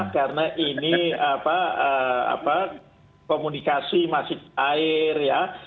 karena ini komunikasi masih air